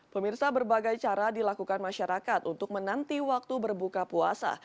pemirsa berbagai cara dilakukan masyarakat untuk menanti waktu berbuka puasa